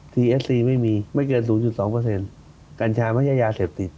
เอฟซีไม่มีไม่เกิน๐๒กัญชาไม่ใช่ยาเสพติด